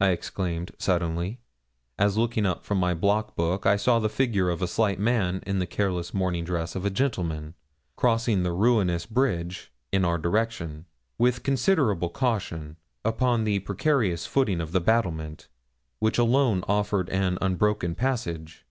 I exclaimed suddenly, as looking up from my block book I saw the figure of a slight man in the careless morning dress of a gentleman, crossing the ruinous bridge in our direction, with considerable caution, upon the precarious footing of the battlement, which alone offered an unbroken passage.